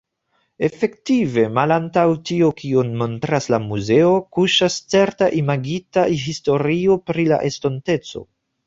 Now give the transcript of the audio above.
Efektive, malantaŭ tio kion montras la muzeo, kuŝas certa imagita historio pri la estonteco.